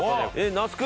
那須君